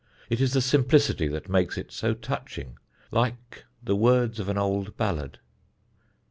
It is the simplicity that makes it so touching, like the words of an old ballad.